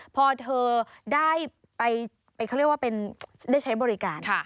พอเธอได้ไปเขาเรียกว่าได้ใช้บริการ